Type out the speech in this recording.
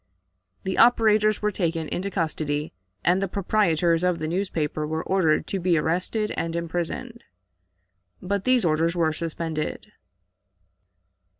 The operators were taken into custody, and the proprietors of the newspapers were ordered to be arrested and imprisoned. But these orders were suspended.